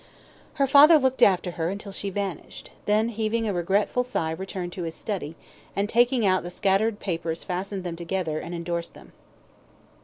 Her father looked after her until she vanished, then heaving a regretful sigh returned to his study, and taking out the scattered papers fastened them together, and endorsed them.